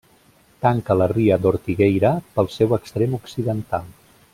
Tanca la ria d'Ortigueira pel seu extrem occidental.